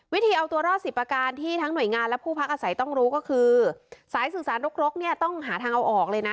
วิธีเอาตัวรอดสิบประการที่ทั้งหน่วยงานและผู้พักอาศัยต้องรู้ก็คือสายสื่อสารรกรกเนี่ยต้องหาทางเอาออกเลยนะ